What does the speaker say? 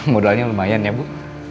modalnya lumayan ya bu